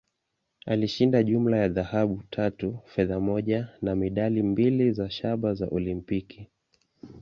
Alishinda jumla ya dhahabu tatu, fedha moja, na medali mbili za shaba za Olimpiki.